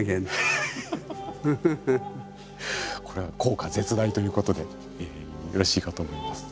これは効果絶大ということでよろしいかと思います。